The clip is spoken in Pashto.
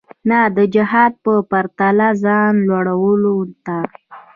نه د جهان په پرتله ځان لوړولو ته.